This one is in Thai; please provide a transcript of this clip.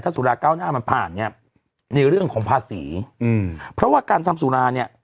สุราเก้าหน้ามันผ่านเนี้ยในเรื่องของภาษีอืมเพราะว่าการทำสุราเนี่ย